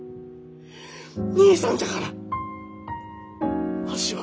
兄さんじゃからわしは。